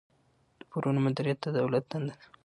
د پورونو مدیریت د دولت دنده ده.